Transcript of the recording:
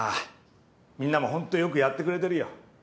みんなも本当よくやってくれてるよ。